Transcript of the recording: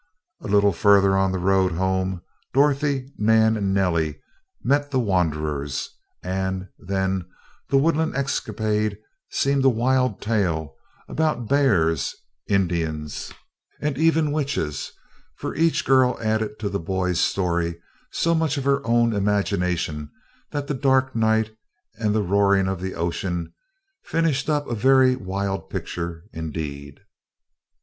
A little farther on the road home, Dorothy, Nan, and Nellie met the wanderers, and then the woodland escapade seemed a wild tale about bears, Indians, and even witches, for each girl added, to the boys' story, so much of her own imagination that the dark night and the roaring of the ocean, finished up a very wild picture, indeed.